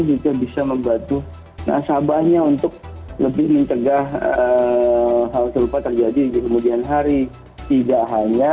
juga bisa membantu nasabahnya untuk lebih mencegah hal serupa terjadi di kemudian hari tidak hanya